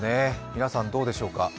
皆さん、どうでしょうか。